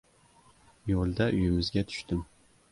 Yo‘lda uyimizga tushdim.